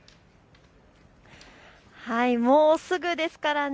もうすぐですからね。